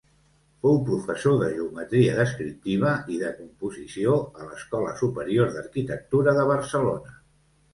Fou professor de geometria descriptiva i de composició a l'Escola Superior d'Arquitectura de Barcelona.